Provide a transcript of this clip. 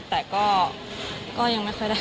แต่ก็ยังไม่เคยได้ความทรมานไหลเท่าไร